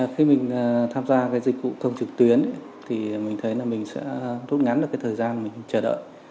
khi mình tham gia dịch vụ công trực tuyến mình thấy mình sẽ rút ngắn được thời gian mình chờ đợi